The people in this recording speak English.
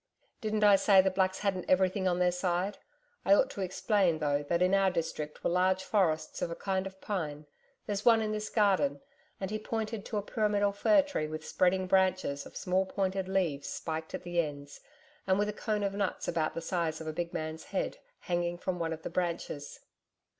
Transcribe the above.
'Didn't I say the Blacks hadn't everything on their side I ought to explain though that in our district were large forests of a kind of pine there's one in this garden,' and he pointed to a pyramidal fir tree with spreading branches of small pointed leaves spiked at the ends, and with a cone of nuts about the size of a big man's head, hanging from one of the branches.